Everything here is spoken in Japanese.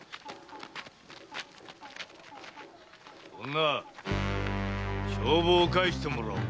女帳簿を返してもらおう。